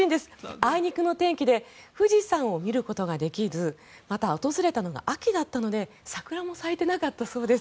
あいにくの天気で富士山を見ることができずまた、訪れたのが秋だったので桜も咲いてなかったそうです。